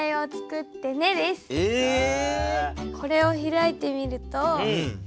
これを開いてみると。